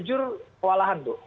jujur kewalahan tuh